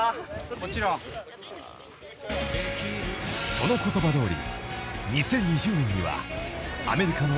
［その言葉どおり］